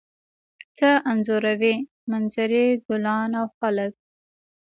څه انځوروئ؟ منظرې، ګلان او خلک